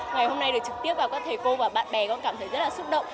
ngày hôm nay được trực tiếp vào các thầy cô và bạn bè con cảm thấy rất là xúc động